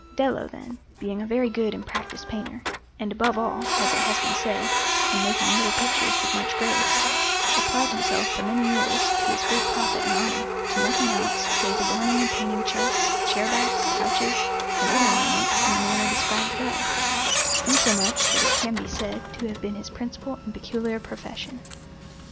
Dello, then, being a very good and practised painter, and above all, as it has been said, in making little pictures with much grace, applied himself for many years, to his great profit and honour, to nothing else save adorning and painting chests, chair backs, couches, and other ornaments in the manner described above, insomuch that it can be said to have been his principal and peculiar profession.